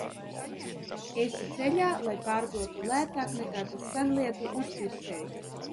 Esi ceļā, lai pārdotu lētāk, nekā tas senlietu uzpircējs?